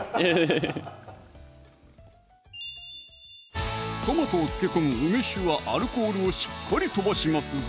フフフフットマトを漬け込む梅酒はアルコールをしっかり飛ばしますぞ